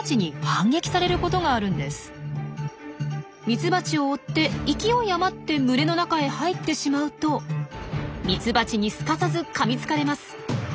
ミツバチを追って勢い余って群れの中へ入ってしまうとミツバチにすかさずかみつかれます。